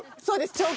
そうです。